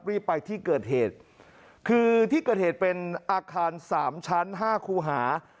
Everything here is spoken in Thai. รีบไปที่เกิดเหตุคือที่เกิดเหตุเป็นอาคารสามชั้นห้าคู่หา